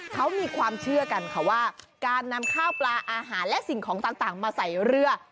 เขามีความเชื่อกันค่ะว่าการนำข้าวปลาอาหารและสิ่งของต่างมาใส่เรือ